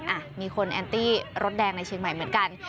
อ่ะมีคนแอนตี้รถแดงในเชียงใหม่เหมือนกัน